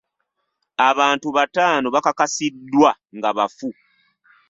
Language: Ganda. Abantu bataano bakakasiddwa nga bafu.